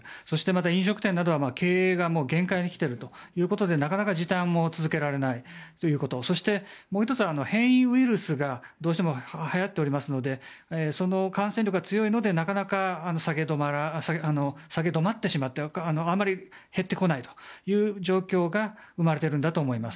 飲食店などは経営が限界にきているということでなかなか時短を続けられないということもう１つは変異ウイルスがどうしてもはやっておりますのでその感染力が強いのでなかなか下げ止まってしまってあまり減ってこないという状況が生まれているんだと思います。